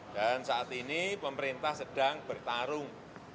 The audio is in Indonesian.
dan saat ini pemerintah sedang bertarung